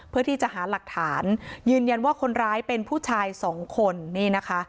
เพื่อที่จะหาหลักฐานยืนยันว่าคนร้ายเป็นผู้ชายสองคนนี่นะคะ